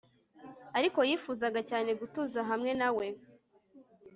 Ariko yifuzaga cyane gutuza hamwe na we